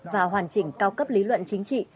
và hoàn chỉnh cao cấp lý luận chính trị